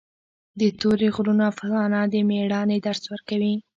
د تورې غرونو افسانه د مېړانې درس ورکوي.